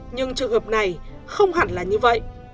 nhưng trường hợp này không hẳn là như vậy